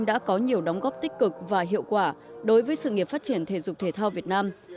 đã có nhiều đóng góp tích cực và hiệu quả đối với sự nghiệp phát triển thể dục thể thao việt nam